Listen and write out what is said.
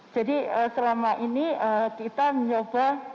jadi selama ini kita mencoba